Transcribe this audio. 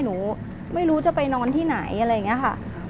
หนูไม่รู้จะไปนอนที่ไหนอะไรอย่างนี้ค่ะ